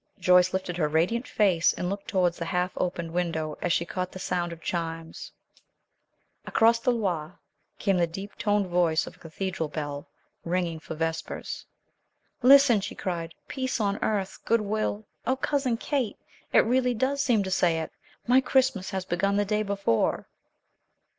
Joyce lifted her radiant face, and looked towards the half opened window, as she caught the sound of chimes. Across the Loire came the deep toned voice of a cathedral bell, ringing for vespers. "Listen!" she cried. "Peace on earth, good will oh, Cousin Kate! It really does seem to say it! My Christmas has begun the day before."